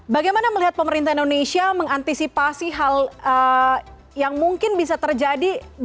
bagaimana melihat pemerintah indonesia mengantisipasi hal yang mungkin bisa terjadi